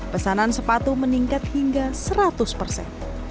pesanan sepatu meningkat hingga seratus persen